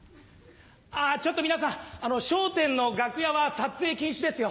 あちょっと皆さん『笑点』の楽屋は撮影禁止ですよ。